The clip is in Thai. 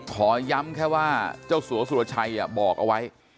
ขอย้ำแค่ว่าเจ้าสัวสุรชัยบอกเอาไว้